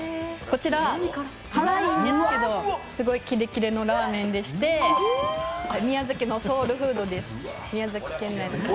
こちら辛いんですけどすごいキレキレのラーメンでして、宮崎のソウルフードなんです。